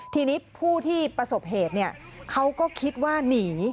ทีนี้ผู้ที่ประสบเหตุเขาก็คิดว่าหนี